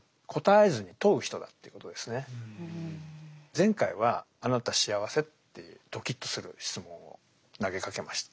前回は「あなた幸せ？」っていうどきっとする質問を投げかけました。